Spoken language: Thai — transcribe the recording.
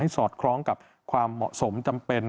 สอดคล้องกับความเหมาะสมจำเป็น